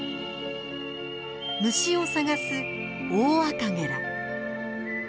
虫を探すオオアカゲラ。